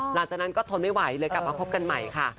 หลังจากนั้นก็ทนไม่ไหวเลยกลับมาคบกันใหม่ค่ะ